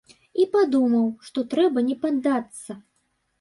І падумаў, што трэба не паддацца.